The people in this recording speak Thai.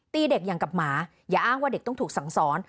ตีเด็กอย่างกับหมาอย่าอ้างว่าเด็กต้องถูกสั่งสอน